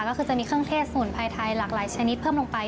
ก็คือจะมีเครื่องเทศสมุนไพรไทยหลากหลายชนิดเพิ่มลงไป